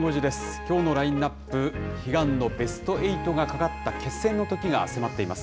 きょうのラインナップ、悲願のベスト８がかかった決戦の時が迫っています。